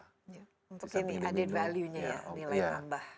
untuk ini added value nya ya nilai tambah